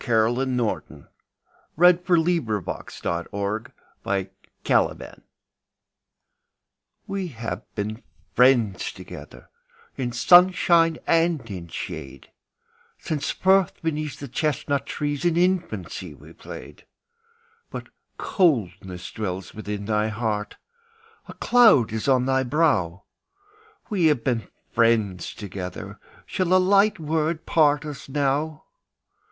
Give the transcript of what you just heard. Caroline Norton We Have Been Friends Together WE have been friends together In sunshine and in shade, Since first beneath the chestnut trees, In infancy we played. But coldness dwells within thy heart, A cloud is on thy brow; We have been friends together, Shall a light word part us now?